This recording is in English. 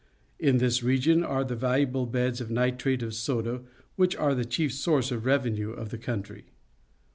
In this region are the valuable beds of nitrate of soda which are the chief source of revenue of the country.